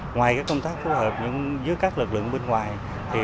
ngoài công tác phối hợp giữa các lực lượng bên ngoài